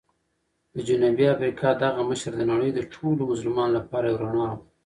د جنوبي افریقا دغه مشر د نړۍ د ټولو مظلومانو لپاره یو رڼا وه.